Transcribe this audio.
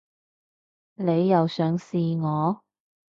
你又想試我